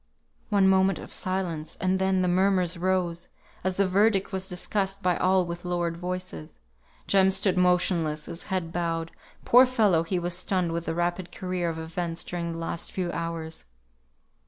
One moment of silence, and then the murmurs rose, as the verdict was discussed by all with lowered voice. Jem stood motionless, his head bowed; poor fellow, he was stunned with the rapid career of events during the last few hours.